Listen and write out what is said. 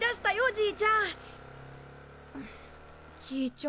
じいちゃん。